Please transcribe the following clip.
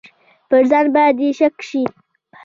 پر ځان به دې شک شي.